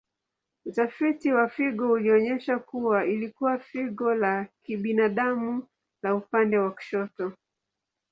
Utafiti wa figo ulionyesha kuwa ilikuwa figo la kibinadamu la upande wa kushoto.